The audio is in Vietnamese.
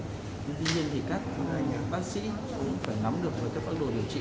tuy nhiên thì các bác sĩ cũng phải nắm được với các phác đồ điều trị